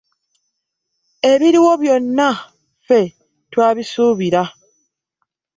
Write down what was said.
Ebiriwo byonna ffe twabisuubira.